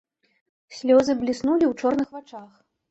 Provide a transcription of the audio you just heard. Слёзы бліснулі ў чорных вачах.